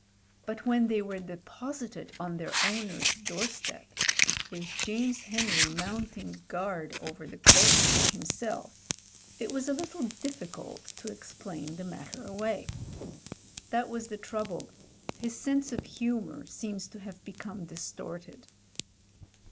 But when they were de posited on their owner's doorstep, with James Henry mounting guard over the corpses himself, it was a JAMES HENRY 225 little difficult to explain the matter away. That was the trouble — ^his sense of humour seemed to have become distorted.